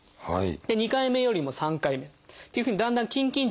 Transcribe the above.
２回目よりも３回目っていうふうにだんだん筋緊張